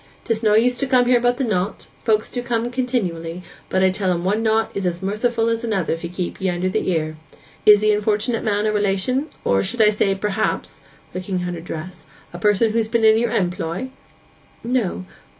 'Tis no use to come here about the knot—folks do come continually, but I tell 'em one knot is as merciful as another if ye keep it under the ear. Is the unfortunate man a relation; or, I should say, perhaps' (looking at her dress) 'a person who's been in your employ?' 'No.